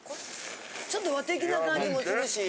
ちょっと和的な感じもするし。